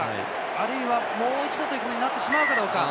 あるいはもう一度となってしまうかどうか。